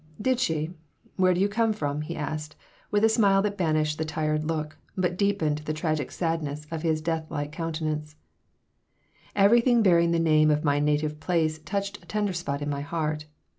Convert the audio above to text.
"Did she? Where do you come from?" he asked, with a smile that banished the tired look, but deepened the tragic sadness of his death like countenance Everything bearing the name of my native place touched a tender spot in my heart.